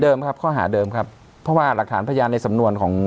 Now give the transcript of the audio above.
ครับข้อหาเดิมครับเพราะว่าหลักฐานพยานในสำนวนของ